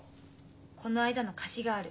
この間の貸しがある。